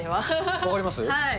分かります？